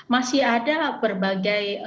masih ada berbagai